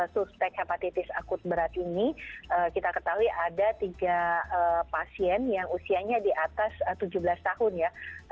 suspek hepatitis akut berat ini kita ketahui ada tiga pasien yang usianya di atas tujuh belas tahun ya